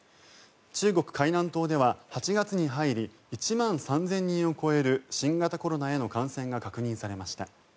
中国・海南島では８月に入り１万３０００人を超える新型コロナへの感染が確認されました。